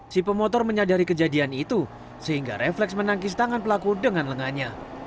si pemotor menyadari kejadian itu sehingga refleks menangkis tangan pelaku dengan lengannya